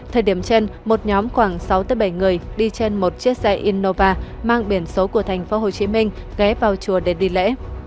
thời điểm trên một nhóm khoảng sáu bảy người đi trên một chiếc xe innova mang biển số của thành phố hồ chí minh ghé vào chùa để đi lễ